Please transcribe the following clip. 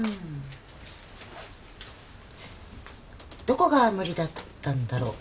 どこが無理だったんだろう？